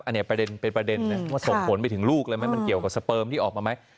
อันนี้เป็นประเด็นว่าส่งผลไปถึงลูกมันเกี่ยวกับสเปิร์มที่ออกมาไหม